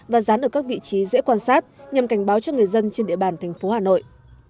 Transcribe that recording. và dán ở các vị trí dễ quan sát nhằm cảnh báo cho người dân trên địa bàn thành phố hà nội